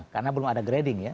karena belum ada grading ya